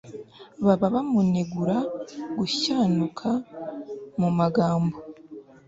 baba bamunegura gushyanuka mu magambo